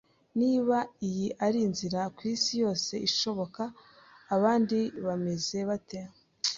Niba iyi ari nziza kwisi yose ishoboka, abandi bameze bate?